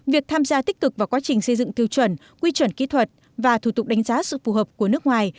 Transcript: việc tham gia tích cực vào quá trình xây dựng tiêu chuẩn quy chuẩn kỹ thuật và thủ tục đánh giá sự phù hợp của nước ngoài